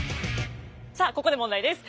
さあここで問題です。